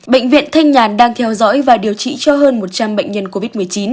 bệnh viện thanh nhàn đang theo dõi và điều trị cho hơn một trăm linh bệnh nhân covid một mươi chín